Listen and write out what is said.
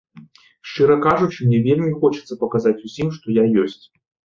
Шчыра кажучы, мне вельмі хочацца паказаць усім, што я ёсць.